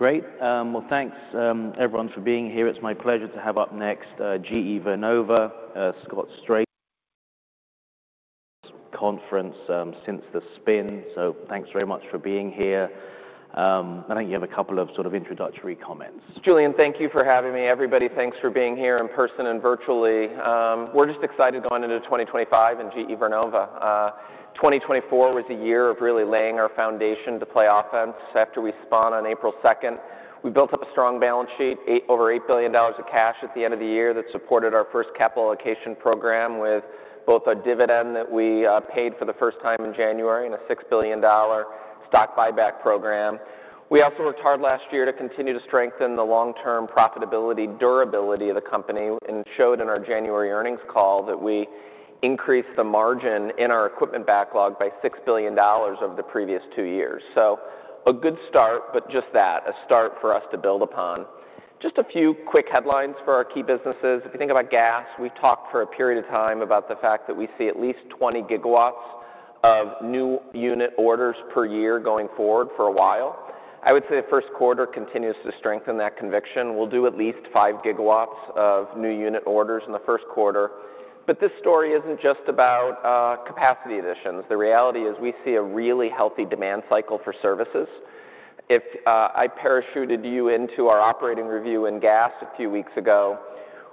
Great. Well, thanks, everyone, for being here. It's my pleasure to have up next GE Vernova, Scott Strazik, Conference Since the Spin. So thanks very much for being here. I think you have a couple of sort of introductory comments. Julian, thank you for having me. Everybody, thanks for being here in person and virtually. We're just excited going into 2025 and GE Vernova. 2024 was a year of really laying our foundation to play offense. After we spun on April 2nd, we built up a strong balance sheet, over $8 billion of cash at the end of the year that supported our first capital allocation program with both a dividend that we paid for the first time in January and a $6 billion stock buyback program. We also worked hard last year to continue to strengthen the long-term profitability, durability of the company and showed in our January earnings call that we increased the margin in our equipment backlog by $6 billion over the previous two years. So a good start, but just that, a start for us to build upon. Just a few quick headlines for our key businesses. If you think about Gas, we talked for a period of time about the fact that we see at least 20 gigawatts of new unit orders per year going forward for a while. I would say the Q1 continues to strengthen that conviction. We'll do at least five gigawatts of new unit orders in the Q1. But this story isn't just about capacity additions. The reality is we see a really healthy demand cycle for services. If I parachuted you into our operating review in Gas a few weeks ago,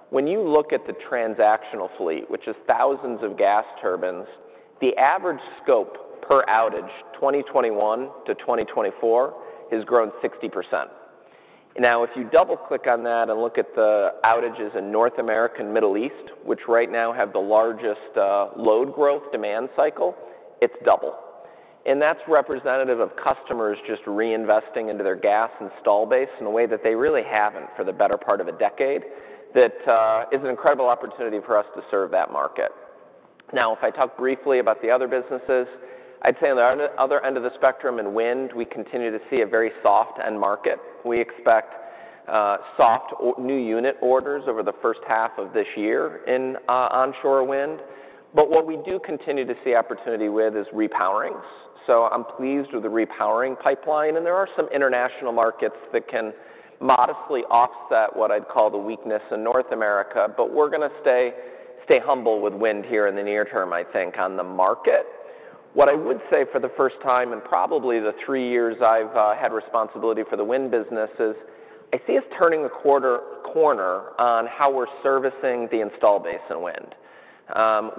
when you look at the transactional fleet, which is thousands of gas turbines, the average scope per outage 2021 to 2024 has grown 60%. Now, if you double-click on that and look at the outages in North America and the Middle East, which right now have the largest load growth demand cycle, it's double. And that's representative of customers just reinvesting into their gas installed base in a way that they really haven't for the better part of a decade. That is an incredible opportunity for us to serve that market. Now, if I talk briefly about the other businesses, I'd say on the other end of the spectrum in Wind, we continue to see a very soft end market. We expect soft new unit orders over the first half of this year in Onshore Wind. But what we do continue to see opportunity with is repowerings. So I'm pleased with the repowering pipeline. And there are some international markets that can modestly offset what I'd call the weakness in North America. But we're going to stay humble with Wind here in the near term, I think, on the market. What I would say for the first time in probably the three years I've had responsibility for the Wind businesses, I see us turning a corner on how we're servicing the installed base in Wind.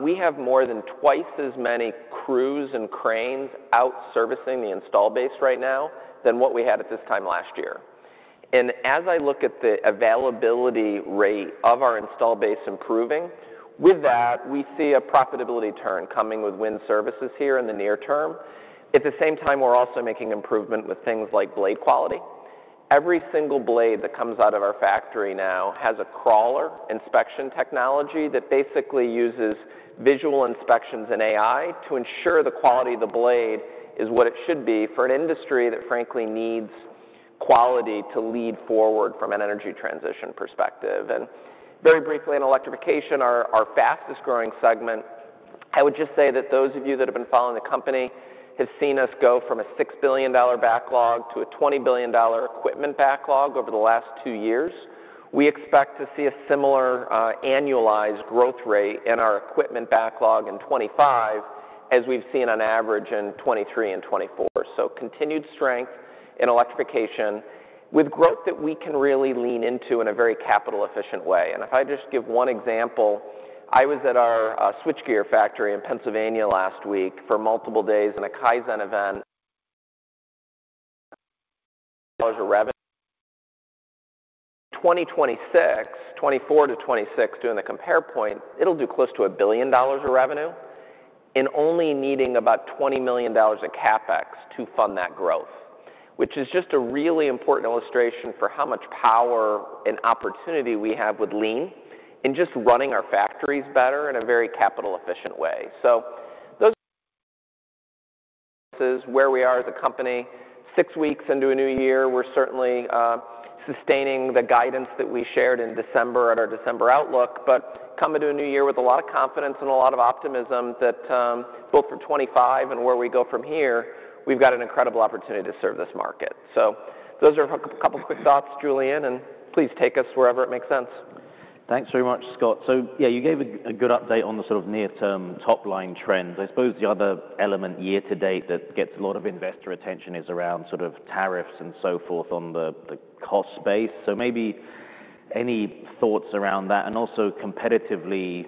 We have more than twice as many crews and cranes out servicing the installed base right now than what we had at this time last year. And as I look at the availability rate of our installed base improving, with that, we see a profitability turn coming with Wind services here in the near term. At the same time, we're also making improvement with things like blade quality. Every single blade that comes out of our factory now has a crawler inspection technology that basically uses visual inspections and AI to ensure the quality of the blade is what it should be for an industry that, frankly, needs quality to lead forward from an energy transition perspective. And very briefly, in Electrification, our fastest growing segment, I would just say that those of you that have been following the company have seen us go from a $6 billion backlog to a $20 billion equipment backlog over the last two years. We expect to see a similar annualized growth rate in our equipment backlog in 2025, as we've seen on average in 2023 and 2024. So continued strength in Electrification with growth that we can really lean into in a very capital-efficient way. And if I just give one example, I was at our switchgear factory in Pennsylvania last week for multiple days in a Kaizen event. Of revenue. 2026, 2024 to 2026, doing the compare point, it will do close to $1 billion of revenue and only needing about $20 million in CapEx to fund that growth, which is just a really important illustration for how much power and opportunity we have with lean and just running our factories better in a very capital-efficient way. So where we are as a company, six weeks into a new year, we are certainly sustaining the guidance that we shared in December at our December outlook, but coming to a new year with a lot of confidence and a lot of optimism that both for 2025 and where we go from here, we have got an incredible opportunity to serve this market. So those are a couple of quick thoughts, Julian, and please take us wherever it makes sense. Thanks very much, Scott. So yeah, you gave a good update on the sort of near-term top-line trends. I suppose the other element year to date that gets a lot of investor attention is around sort of tariffs and so forth on the cost base. So maybe any thoughts around that? And also competitively,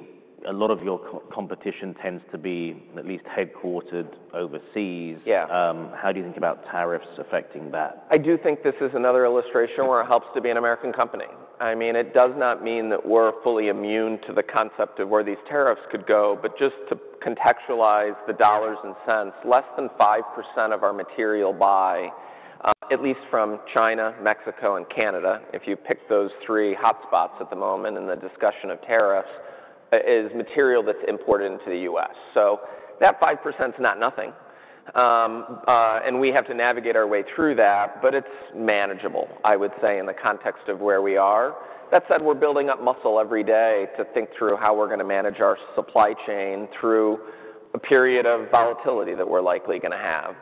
a lot of your competition tends to be at least headquartered overseas. How do you think about tariffs affecting that? I do think this is another illustration where it helps to be an American company. I mean, it does not mean that we're fully immune to the concept of where these tariffs could go, but just to contextualize the dollars and cents, less than 5% of our material buy, at least from China, Mexico, and Canada, if you pick those three hotspots at the moment in the discussion of tariffs, is material that's imported into the U.S. So that 5% is not nothing, and we have to navigate our way through that, but it's manageable, I would say, in the context of where we are. That said, we're building up muscle every day to think through how we're going to manage our supply chain through a period of volatility that we're likely going to have.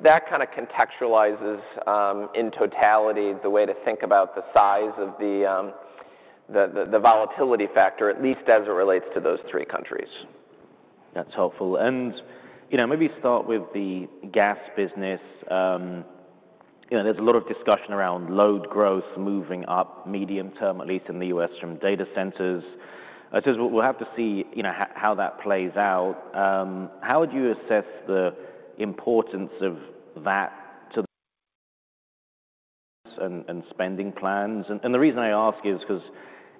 That kind of contextualizes in totality the way to think about the size of the volatility factor, at least as it relates to those three countries. That's helpful, and maybe start with the Gas business. There's a lot of discussion around load growth moving up medium term, at least in the U.S., from data centers. I suppose we'll have to see how that plays out. How would you assess the importance of that to the U.S. and spending plans? And the reason I ask is because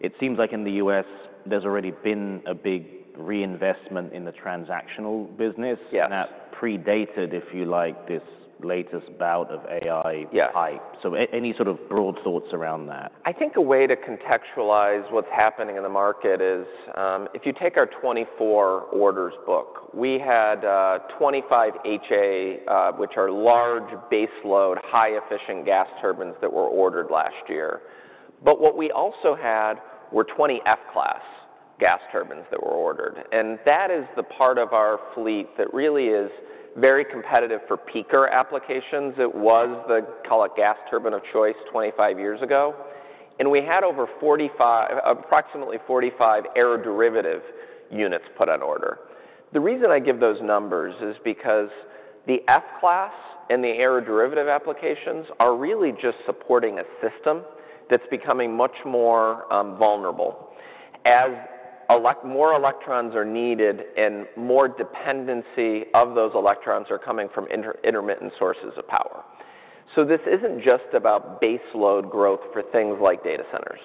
it seems like in the U.S., there's already been a big reinvestment in the transactional business that predated, if you like, this latest bout of AI hype. So any sort of broad thoughts around that? I think a way to contextualize what's happening in the market is if you take our 2024 order book, we had 25 HA, which are large baseload, highly efficient gas turbines that were ordered last year. But what we also had were 20 F-class gas turbines that were ordered. And that is the part of our fleet that really is very competitive for peaker applications. It was the call it gas turbine of choice 25 years ago. And we had over approximately 45 aeroderivative units put on order. The reason I give those numbers is because the F-class and the aeroderivative applications are really just supporting a system that's becoming much more vulnerable as more electrons are needed and more dependency of those electrons are coming from intermittent sources of power. So this isn't just about baseload growth for things like data centers.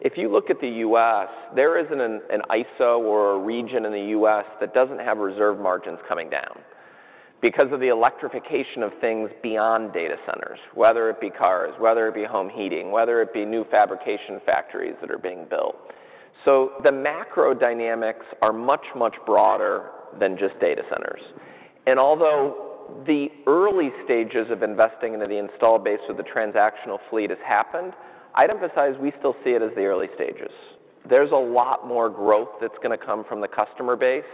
If you look at the U.S., there isn't an ISO or a region in the U.S. that doesn't have reserve margins coming down because of the electrification of things beyond data centers, whether it be cars, whether it be home heating, whether it be new fabrication factories that are being built. So the macro dynamics are much, much broader than just data centers. And although the early stages of investing into the install base with the transactional fleet have happened, I'd emphasize we still see it as the early stages. There's a lot more growth that's going to come from the customer base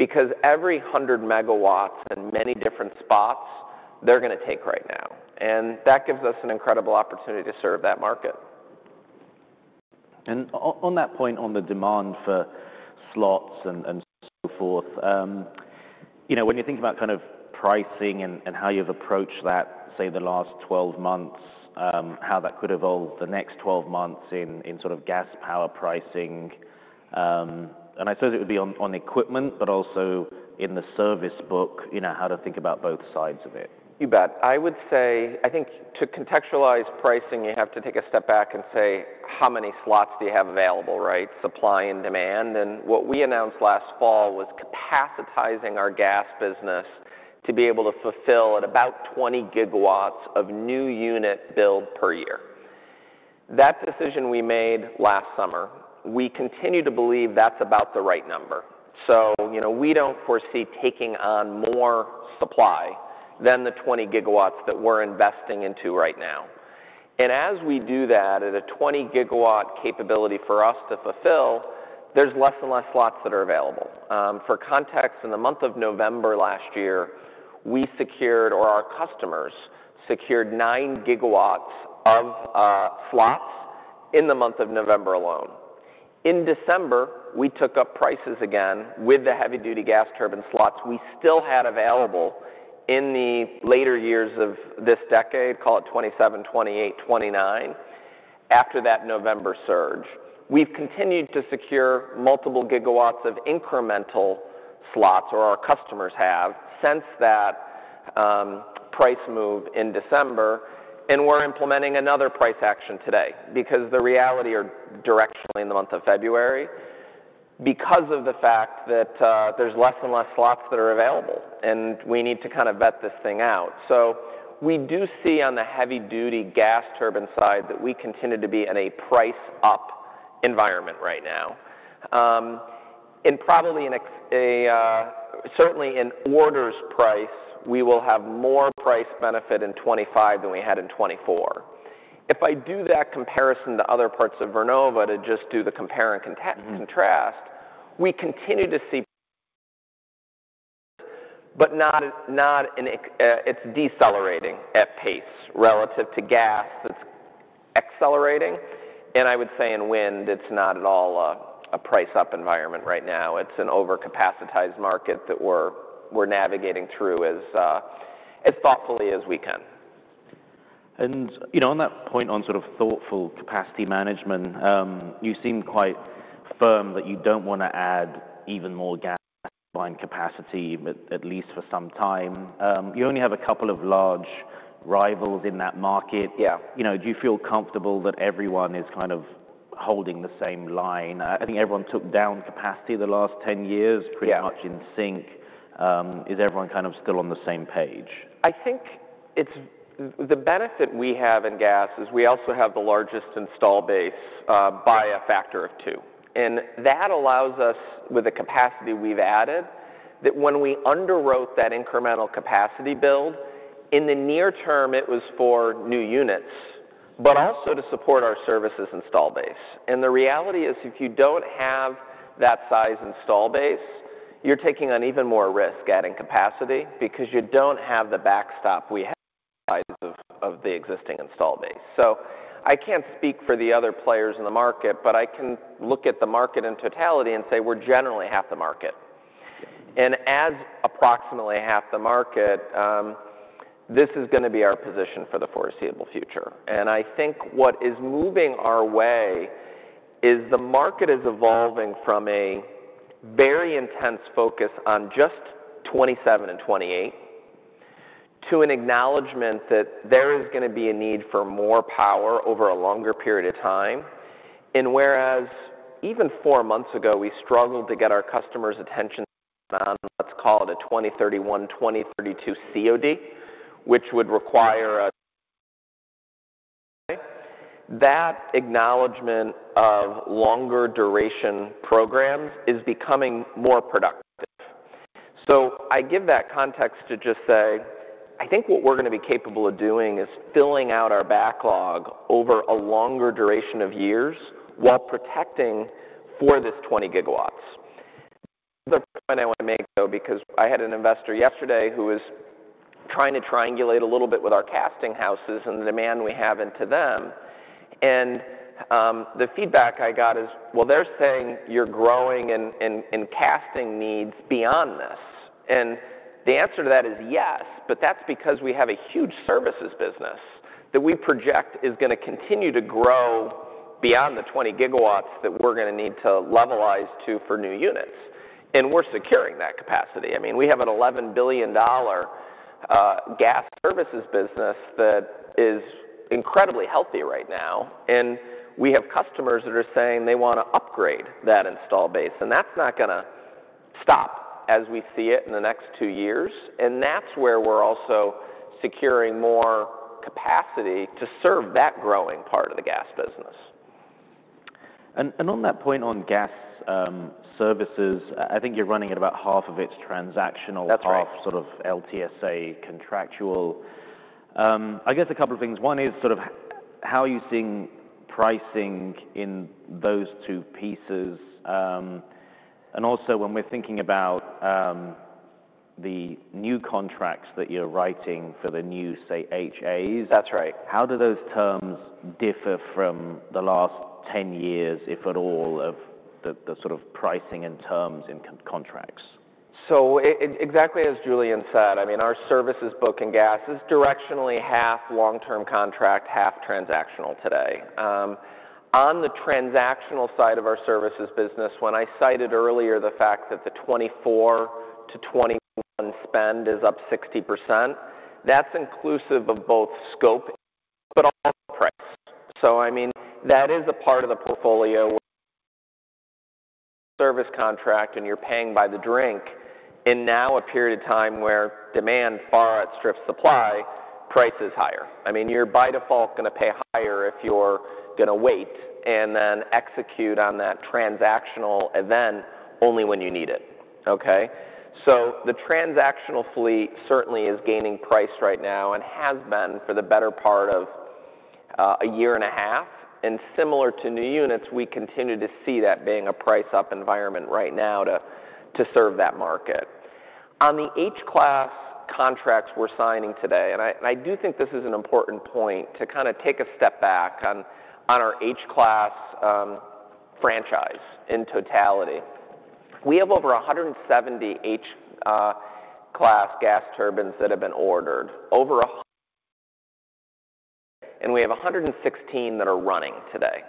because every 100 megawatts in many different spots, they're going to take right now. And that gives us an incredible opportunity to serve that market. And on that point, on the demand for slots and so forth, when you think about kind of pricing and how you've approached that, say, the last 12 months, how that could evolve the next 12 months in sort of gas power pricing, and I suppose it would be on equipment, but also in the service book, how to think about both sides of it? You bet. I would say, I think to contextualize pricing, you have to take a step back and say, how many slots do you have available, right? Supply and demand. And what we announced last fall was capacitating our Gas business to be able to fulfill at about 20 gigawatts of new unit build per year. That decision we made last summer, we continue to believe that's about the right number. So we don't foresee taking on more supply than the 20 gigawatts that we're investing into right now. And as we do that, at a 20 gigawatt capability for us to fulfill, there's less and less slots that are available. For context, in the month of November last year, we secured, or our customers secured, nine gigawatts of slots in the month of November alone. In December, we took up prices again with the heavy-duty gas turbine slots we still had available in the later years of this decade, call it 2027, 2028, 2029, after that November surge. We've continued to secure multiple gigawatts of incremental slots, or our customers have since that price move in December. And we're implementing another price action today because the reality is directionally in the month of February because of the fact that there's less and less slots that are available. And we need to kind of vet this thing out. So we do see on the heavy-duty gas turbine side that we continue to be in a price-up environment right now. And certainly in orders price, we will have more price benefit in 2025 than we had in 2024. If I do that comparison to other parts of Vernova to just do the compare and contrast, we continue to see, but it's decelerating at pace relative to Gas that's accelerating. And I would say in Wind, it's not at all a price-up environment right now. It's an over-capacitated market that we're navigating through as thoughtfully as we can. On that point on sort of thoughtful capacity management, you seem quite firm that you don't want to add even more gas line capacity, at least for some time. You only have a couple of large rivals in that market. Do you feel comfortable that everyone is kind of holding the same line? I think everyone took down capacity the last 10 years pretty much in sync. Is everyone kind of still on the same page? I think the benefit we have in Gas is we also have the largest installed base by a factor of two. And that allows us, with the capacity we've added, that when we underwrote that incremental capacity build, in the near term, it was for new units, but also to support our services installed base. And the reality is if you don't have that size installed base, you're taking on even more risk adding capacity because you don't have the backstop we have of the existing installed base. So I can't speak for the other players in the market, but I can look at the market in totality and say we're generally half the market. And as approximately half the market, this is going to be our position for the foreseeable future. I think what is moving our way is the market is evolving from a very intense focus on just 2027 and 2028 to an acknowledgment that there is going to be a need for more power over a longer period of time. Whereas even four months ago, we struggled to get our customers' attention on, let's call it a 2031, 2032 COD, which would require that acknowledgment of longer duration programs is becoming more productive. I give that context to just say, I think what we're going to be capable of doing is filling out our backlog over a longer duration of years while protecting for this 20 gigawatts. Another point I want to make, though, because I had an investor yesterday who was trying to triangulate a little bit with our casting houses and the demand we have into them. The feedback I got is, well, they're saying you're growing in casting needs beyond this. The answer to that is yes, but that's because we have a huge services business that we project is going to continue to grow beyond the 20 gigawatts that we're going to need to levelize to for new units. We're securing that capacity. I mean, we have an $11 billion Gas services business that is incredibly healthy right now. We have customers that are saying they want to upgrade that install base. That's not going to stop as we see it in the next two years. That's where we're also securing more capacity to serve that growing part of the Gas business. And on that point on Gas services, I think you're running at about half of its transactional part, sort of LTSA contractual. I guess a couple of things. One is sort of how are you seeing pricing in those two pieces? And also when we're thinking about the new contracts that you're writing for the new, say, HAs, how do those terms differ from the last 10 years, if at all, of the sort of pricing and terms in contracts? So exactly as Julian said, I mean, our services book in Gas is directionally half long-term contract, half transactional today. On the transactional side of our services business, when I cited earlier the fact that the 2021 to 2024 spend is up 60%, that's inclusive of both scope but also price. So I mean, that is a part of the portfolio where service contract and you're paying by the drink in now a period of time where demand far outstrips supply, price is higher. I mean, you're by default going to pay higher if you're going to wait and then execute on that transactional event only when you need it. Okay? So the transactional fleet certainly is gaining price right now and has been for the better part of a year and a half. Similar to new units, we continue to see that being a price-up environment right now to serve that market. On the H-class contracts we're signing today, and I do think this is an important point to kind of take a step back on our H-class franchise in totality. We have over 170 H-class gas turbines that have been ordered, and we have 116 that are running today.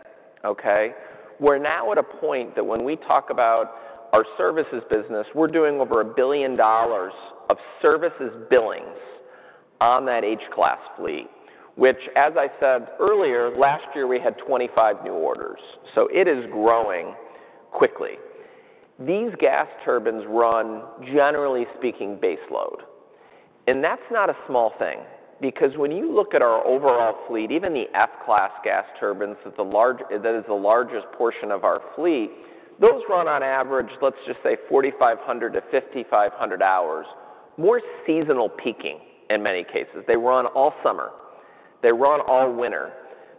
Okay? We're now at a point that when we talk about our services business, we're doing over $1 billion of services billings on that H-class fleet, which, as I said earlier, last year we had 25 new orders. It is growing quickly. These gas turbines run, generally speaking, baseload. That's not a small thing because when you look at our overall fleet, even the F-class gas turbines that is the largest portion of our fleet, those run on average, let's just say, 4,500-5,500 hours, more seasonal peaking in many cases. They run all summer. They run all winter.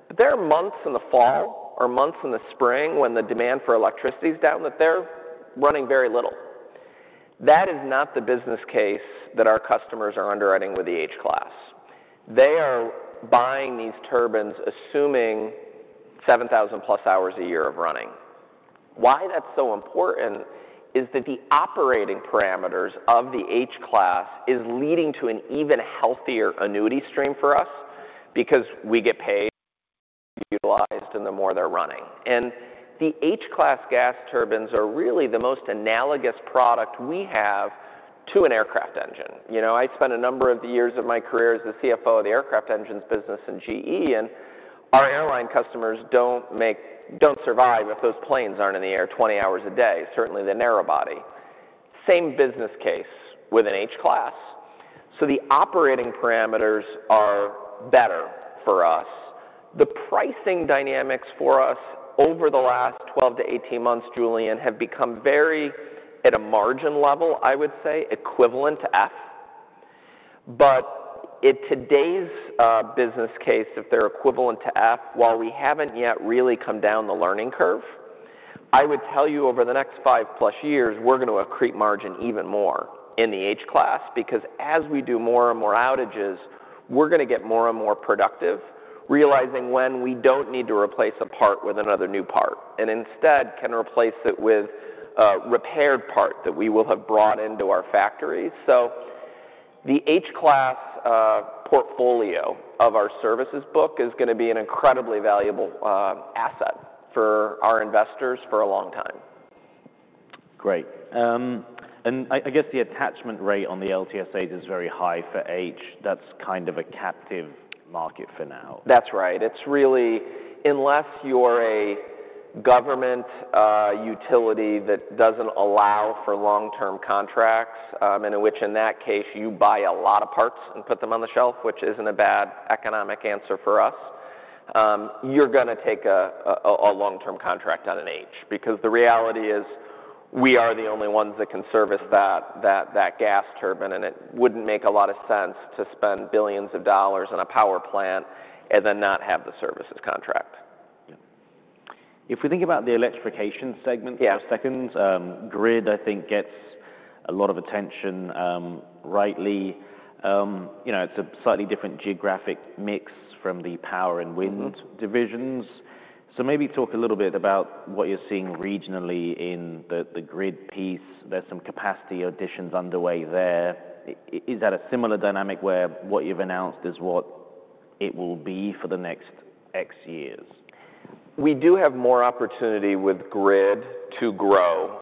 But there are months in the fall or months in the spring when the demand for electricity is down that they're running very little. That is not the business case that our customers are underwriting with the H-class. They are buying these turbines assuming 7,000 plus hours a year of running. Why that's so important is that the operating parameters of the H-class are leading to an even healthier annuity stream for us because we get paid and utilized and the more they're running. The H-class gas turbines are really the most analogous product we have to an aircraft engine. I spent a number of the years of my career as the CFO of the aircraft engines business in GE, and our airline customers don't survive if those planes aren't in the air 20 hours a day, certainly the narrow body. Same business case with an H-class. So the operating parameters are better for us. The pricing dynamics for us over the last 12-18 months, Julian, have become very at a margin level, I would say, equivalent to F. But in today's business case, if they're equivalent to F, while we haven't yet really come down the learning curve, I would tell you over the next five plus years, we're going to accrete margin even more in the H-class because as we do more and more outages, we're going to get more and more productive, realizing when we don't need to replace a part with another new part and instead can replace it with a repaired part that we will have brought into our factory. So the H-class portfolio of our services book is going to be an incredibly valuable asset for our investors for a long time. Great. And I guess the attachment rate on the LTSAs is very high for H. That's kind of a captive market for now. That's right. Unless you're a government utility that doesn't allow for long-term contracts, in which case, you buy a lot of parts and put them on the shelf, which isn't a bad economic answer for us, you're going to take a long-term contract on an H because the reality is we are the only ones that can service that gas turbine. And it wouldn't make a lot of sense to spend billions of dollars on a power plant and then not have the services contract. If we think about the Electrification segment for a second, Grid, I think, gets a lot of attention rightly. It's a slightly different geographic mix from the Power and Wind divisions. So maybe talk a little bit about what you're seeing regionally in the Grid piece. There's some capacity additions underway there. Is that a similar dynamic where what you've announced is what it will be for the next X years? We do have more opportunity with Grid to grow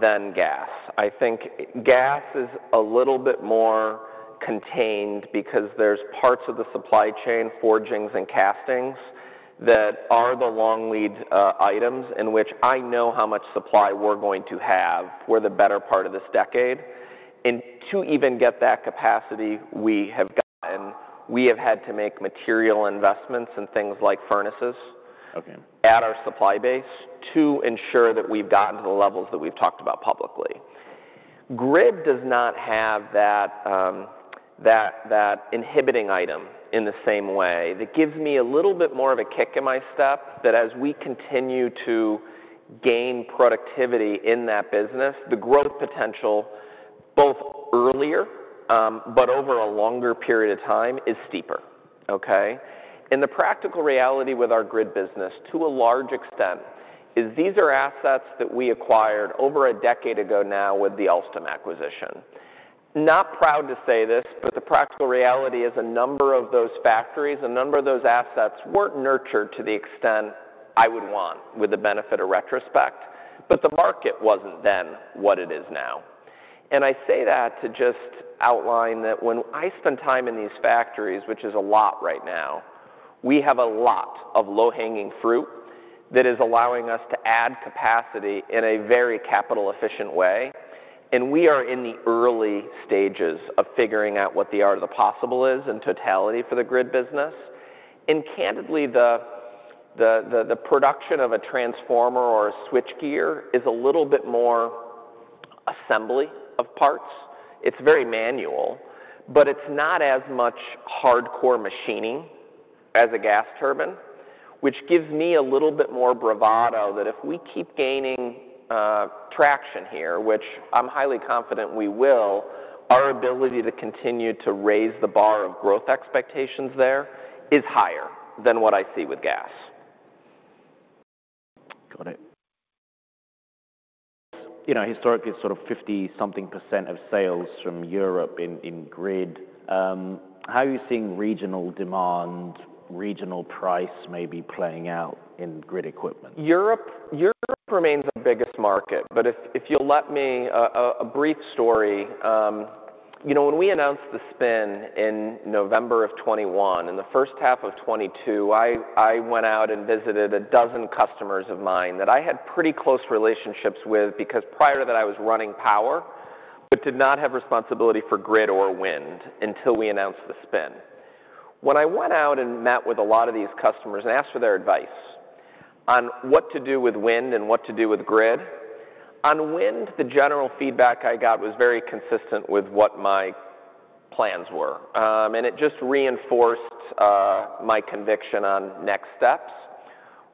than Gas. I think Gas is a little bit more contained because there's parts of the supply chain, forgings and castings that are the long lead items in which I know how much supply we're going to have for the better part of this decade. And to even get that capacity, we have had to make material investments in things like furnaces at our supply base to ensure that we've gotten to the levels that we've talked about publicly. Grid does not have that inhibiting item in the same way that gives me a little bit more of a kick in my step that as we continue to gain productivity in that business, the growth potential both earlier, but over a longer period of time is steeper. Okay? The practical reality with our Grid business to a large extent is these are assets that we acquired over a decade ago now with the Alstom acquisition. Not proud to say this, but the practical reality is a number of those factories, a number of those assets weren't nurtured to the extent I would want with the benefit of retrospect, but the market wasn't then what it is now. I say that to just outline that when I spend time in these factories, which is a lot right now, we have a lot of low-hanging fruit that is allowing us to add capacity in a very capital-efficient way. We are in the early stages of figuring out what the art of the possible is in totality for the Grid business. Candidly, the production of a transformer or a switchgear is a little bit more assembly of parts. It's very manual, but it's not as much hardcore machining as a gas turbine, which gives me a little bit more bravado that if we keep gaining traction here, which I'm highly confident we will, our ability to continue to raise the bar of growth expectations there is higher than what I see with gas. Got it. Historically, it's sort of 50-something% of sales from Europe in Grid. How are you seeing regional demand, regional price maybe playing out in Grid equipment? Europe remains the biggest market, but if you'll let me a brief story. You know, when we announced the spin in November of 2021, in the first half of 2022, I went out and visited a dozen customers of mine that I had pretty close relationships with because prior to that, I was running power, but did not have responsibility for Grid or Wind until we announced the spin. When I went out and met with a lot of these customers and asked for their advice on what to do with Wind and what to do with Grid, on Wind, the general feedback I got was very consistent with what my plans were, and it just reinforced my conviction on next steps.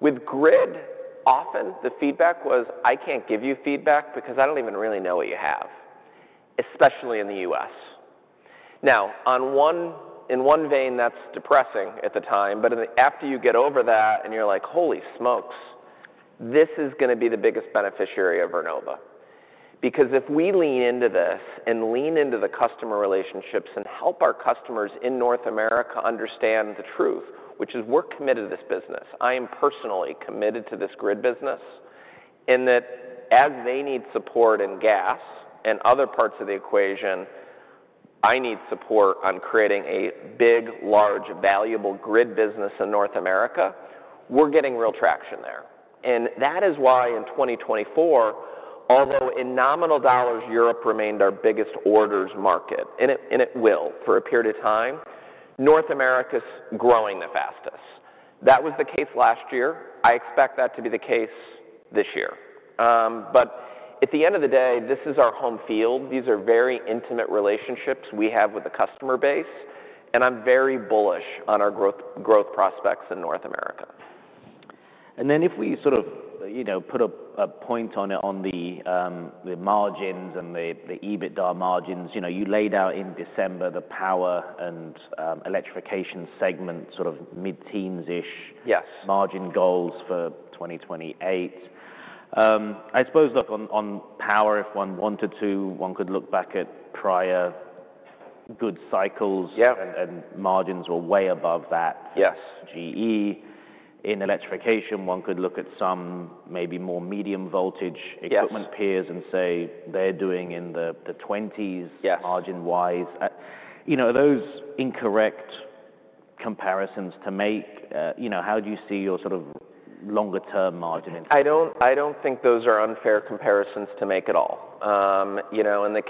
With Grid, often the feedback was, "I can't give you feedback because I don't even really know what you have," especially in the U.S. Now, in one vein, that's depressing at the time, but after you get over that and you're like, "Holy smokes, this is going to be the biggest beneficiary of Vernova," because if we lean into this and lean into the customer relationships and help our customers in North America understand the truth, which is we're committed to this business, I am personally committed to this Grid business, and that as they need support in Gas and other parts of the equation, I need support on creating a big, large, valuable Grid business in North America, we're getting real traction there. And that is why in 2024, although in nominal dollars, Europe remained our biggest orders market, and it will for a period of time, North America's growing the fastest. That was the case last year. I expect that to be the case this year. But at the end of the day, this is our home field. These are very intimate relationships we have with the customer base. And I'm very bullish on our growth prospects in North America. And then if we sort of put a point on the margins and the EBITDA margins, you laid out in December the Power and Electrification segment sort of mid-teens-ish margin goals for 2028. I suppose on power, if one wanted to, one could look back at prior good cycles and margins were way above that for GE. In Electrification, one could look at some maybe more medium voltage equipment peers and say they're doing in the 20s margin-wise. Are those incorrect comparisons to make? How do you see your sort of longer-term margin? I don't think those are unfair comparisons to make at all. In the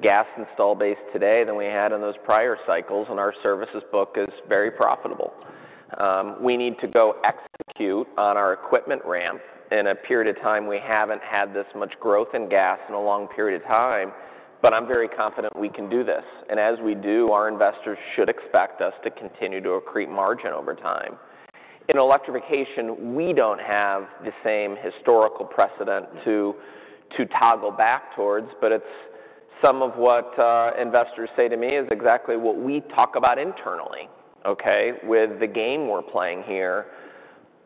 Gas install base today than we had in those prior cycles, and our services book is very profitable. We need to go execute on our equipment ramp in a period of time. We haven't had this much growth in Gas in a long period of time, but I'm very confident we can do this. And as we do, our investors should expect us to continue to accrete margin over time. In Electrification, we don't have the same historical precedent to toggle back towards, but some of what investors say to me is exactly what we talk about internally with the game we're playing here.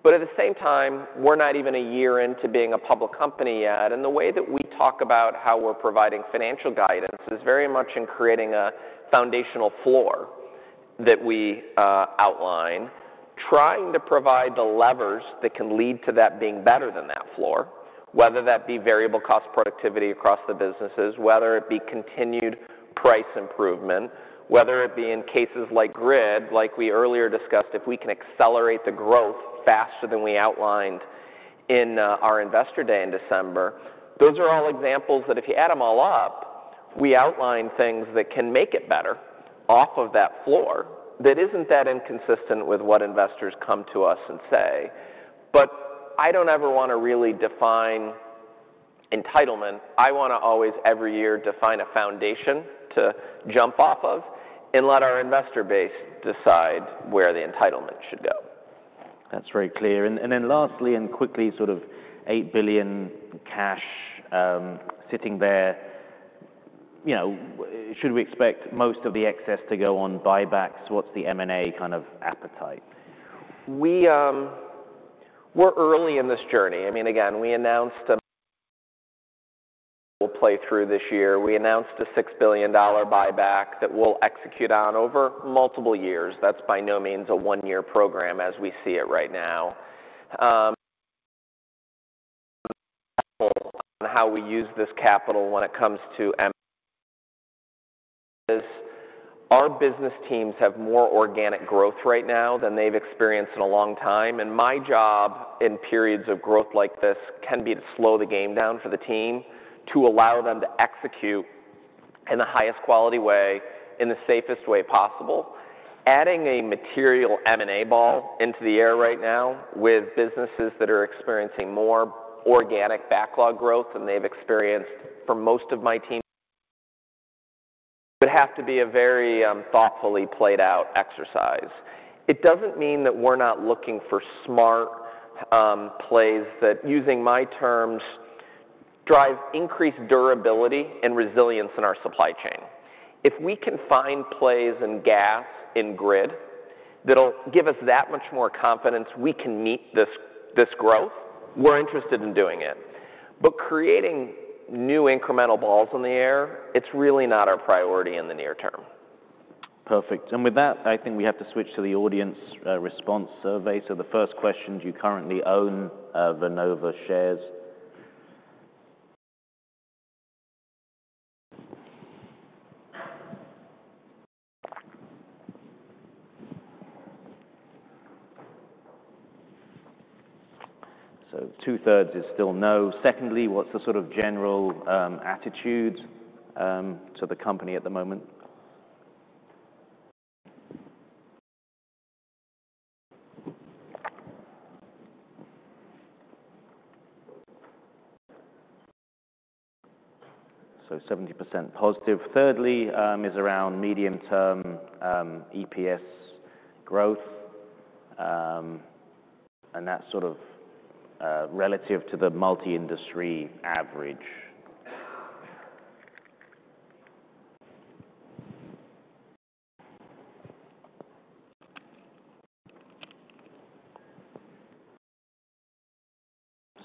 But at the same time, we're not even a year into being a public company yet. And the way that we talk about how we're providing financial guidance is very much in creating a foundational floor that we outline, trying to provide the levers that can lead to that being better than that floor, whether that be variable cost productivity across the businesses, whether it be continued price improvement, whether it be in cases like Grid, like we earlier discussed, if we can accelerate the growth faster than we outlined in our investor day in December. Those are all examples that if you add them all up, we outline things that can make it better off of that floor that isn't that inconsistent with what investors come to us and say. But I don't ever want to really define entitlement. I want to always, every year, define a foundation to jump off of and let our investor base decide where the entitlement should go. That's very clear. And then lastly, and quickly sort of $8 billion cash sitting there, should we expect most of the excess to go on buybacks? What's the M&A kind of appetite? We're early in this journey. I mean, again, we announced a payout this year. We announced a $6 billion buyback that we'll execute on over multiple years. That's by no means a one-year program as we see it right now. On how we use this capital when it comes to M&A, our business teams have more organic growth right now than they've experienced in a long time, and my job in periods of growth like this can be to slow the game down for the team to allow them to execute in the highest quality way, in the safest way possible. Adding a material M&A ball into the air right now with businesses that are experiencing more organic backlog growth than they've experienced for most of my team would have to be a very thoughtfully played-out exercise. It doesn't mean that we're not looking for smart plays that, using my terms, drive increased durability and resilience in our supply chain. If we can find plays in gas, in Grid, that'll give us that much more confidence we can meet this growth, we're interested in doing it. But creating new incremental balls in the air, it's really not our priority in the near term. Perfect. And with that, I think we have to switch to the audience response survey. So the first question, do you currently own Vernova shares? So two-thirds is still no. Secondly, what's the sort of general attitude to the company at the moment? So 70% positive. Thirdly is around medium-term EPS growth. And that's sort of relative to the multi-industry average.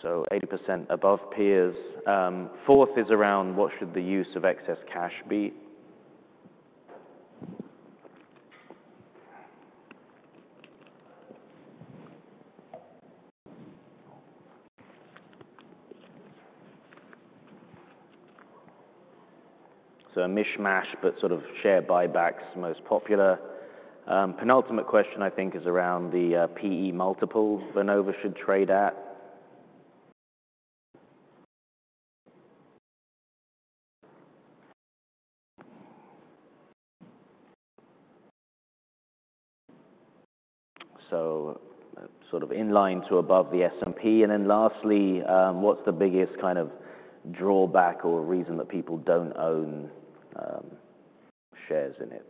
So 80% above peers. Fourth is around what should the use of excess cash be? So a mishmash, but sort of share buybacks most popular. Penultimate question, I think, is around the PE multiple Vernova should trade at. So sort of in line to above the S&P. And then lastly, what's the biggest kind of drawback or reason that people don't own shares in it?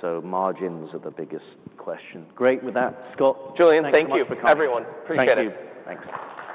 So margins are the biggest question. Great with that, Scott. Julian, thank you for coming. Thank you. Everyone. Appreciate it. Thank you. Thanks.